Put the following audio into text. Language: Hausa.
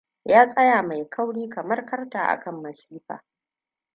Ya tsaya mai kauri kamar karta akan masifa.